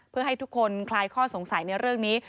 เพื่อให้ทุกคนคลายข้อสงสัยในเรื่องนี้